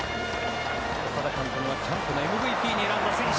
岡田監督がキャンプのＭＶＰに選んだ選手。